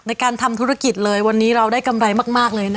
ในการทำธุรกิจเลยวันนี้เราได้กำไรมากเลยนะคะ